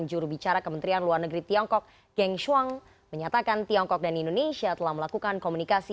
jurubicara kementerian luar negeri tiongkok geng shuang menyatakan tiongkok dan indonesia telah melakukan komunikasi